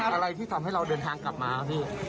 ผู้เสียหายแล้วเป็นไหมท่าน